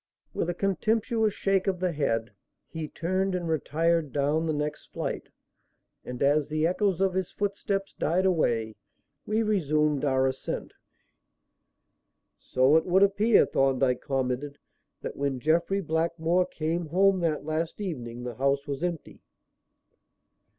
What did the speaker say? With a contemptuous shake of the head, he turned and retired down the next flight, and, as the echoes of his footsteps died away we resumed our ascent. "So it would appear," Thorndyke commented, "that when Jeffrey Blackmore came home that last evening, the house was empty."